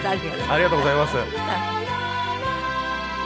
ありがとうございます。